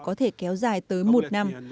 có thể kéo dài tới một năm